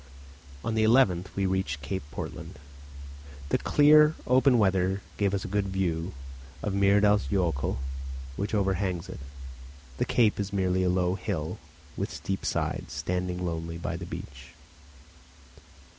On the 11th we reached Cape Portland. The clear open weather gave us a good view of Myrdals jokul, which overhangs it. The cape is merely a low hill with steep sides, standing lonely by the beach.